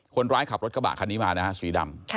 คนร้ายขับรถกระบะคันนี้มานะฮะสีดำ